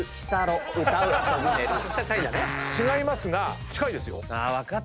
違いますが近いですよ。